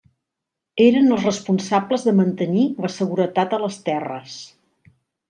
Eren els responsables de mantenir la seguretat a les terres.